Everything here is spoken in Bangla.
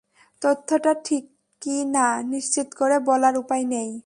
তথ্যটা ঠিক কি না, নিশ্চিত করে বলার উপায় নেই।